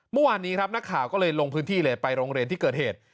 เมื่อวานนี้ครับนักข่าวก็เลยลงพื้นที่เลยไปโรงเรียนที่เกิดเหตุ